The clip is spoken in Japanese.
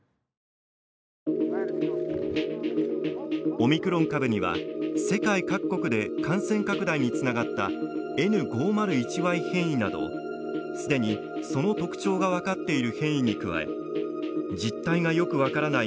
オミクロン株には世界各国で感染拡大につながったＮ５０１Ｙ変異などすでにその特徴が分かっている変異に加え実態がよく分からない